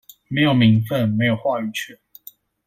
沒有名份，沒有話語權